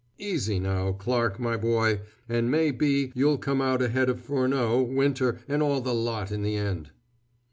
Easy, now, Clarke, my boy, and may be you'll come out ahead of Furneaux, Winter, and all the lot in the end."